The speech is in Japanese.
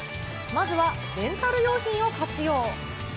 まずはレンタル用品を活用。